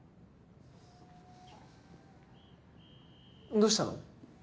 どうしたの？